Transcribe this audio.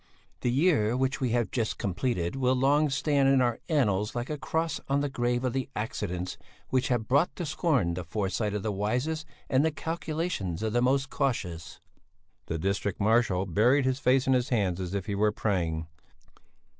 "The year which we have just completed will long stand in our annals like a cross on the grave of the accidents which have brought to scorn the foresight of the wisest and the calculations of the most cautious." The district marshal buried his face in his hands as if he were praying.